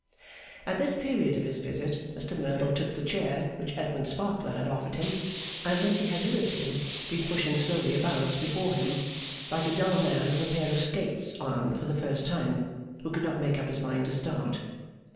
At this period of his visit, Mr Merdle took the chair which Edmund Sparkler had offered him, and which he had hitherto been pushing slowly about before him, like a dull man with a pair of skates on for the first time, who could not make up his mind to start.